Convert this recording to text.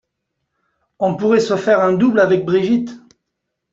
On pourrait se faire un double avec Brigitte.